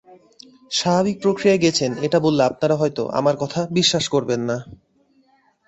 স্বাভাবিক প্রক্রিয়ায় গেছেন এটা বললে আপনারা হয়তো আমার কথা বিশ্বাস করবেন না।